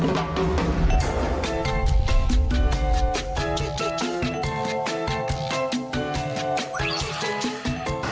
โอเค